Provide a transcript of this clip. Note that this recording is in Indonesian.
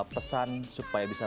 pesan supaya bisa